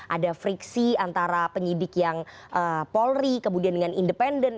ada friksi antara penyidik yang polri kemudian dengan independen